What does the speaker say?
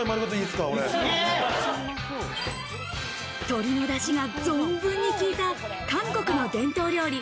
鶏の出汁が存分に効いた韓国の伝統料理